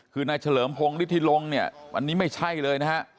คือนายเฉลิมโพงพลิตทิลงอันนี้ไม่ใช่เลยนะค่ะ